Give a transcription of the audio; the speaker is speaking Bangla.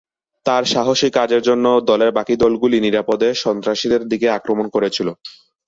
তার সাহসী কাজের জন্য দলের বাকি দলগুলি নিরাপদে সন্ত্রাসীদের দিকে আক্রমণ করছিল।